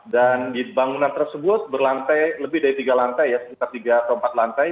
dan di bangunan tersebut berlantai lebih dari tiga lantai ya sekitar tiga atau empat lantai